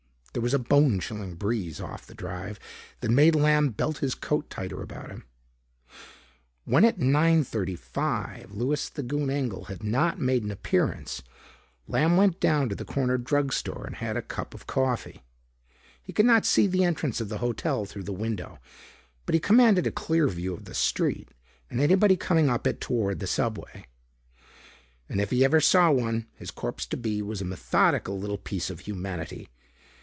There was a bone chilling breeze off the Drive that made Lamb belt his coat tighter about him. When, at 9:35, Louis the Goon Engel had not made an appearance, Lamb went down to the corner drugstore and had a cup of coffee. He could not see the entrance of the hotel through the window. But he commanded a clear view of the street and anybody coming up it toward the subway. And if he ever saw one, his corpse to be was a methodical little piece of humanity.